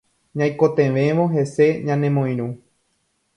Ñaikotevẽvo hese ñanemoirũ